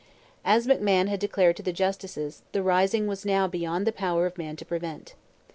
As McMahon had declared to the Justices, the rising was now beyond the power of man to prevent.